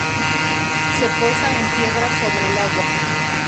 Se posa en piedras sobre el agua.